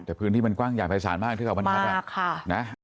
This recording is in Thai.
แต่พื้นที่มันกว้างอย่างไปสานมากเท่าไหร่ครับมากค่ะ